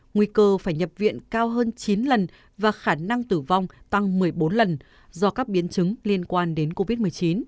nguy cơ phải nhập viện cao hơn chín lần và khả năng tử vong tăng một mươi bốn lần do các biến chứng liên quan đến covid một mươi chín